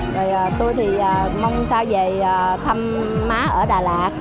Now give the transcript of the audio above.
rồi tôi thì mong sao về thăm má ở đà lạt